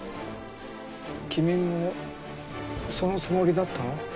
君もそのつもりだったの？